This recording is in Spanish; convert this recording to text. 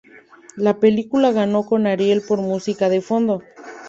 La película ganó un Ariel por Música de Fondo.